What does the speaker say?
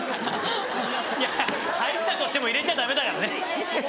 いや入ったとしても入れちゃダメだからね。